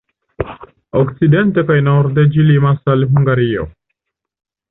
Okcidente kaj norde ĝi limas al Hungario.